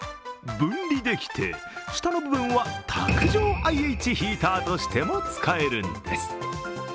分離できて、下の部分は卓上ＩＨヒーターとしても使えるんです。